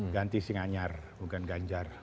ganti singanyar bukan ganjar